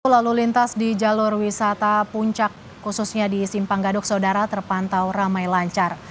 lalu lintas di jalur wisata puncak khususnya di simpang gadok saudara terpantau ramai lancar